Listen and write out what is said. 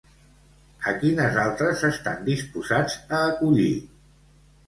A quines altres estan disposats a acollir?